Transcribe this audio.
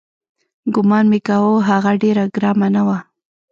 ګومان مې کاوه هغه ډېره ګرمه نه وه.